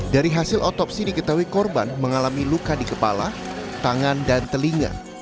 dari hasil otopsi diketahui korban mengalami luka di kepala tangan dan telinga